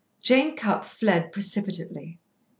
Jane Cupp fled precipitately.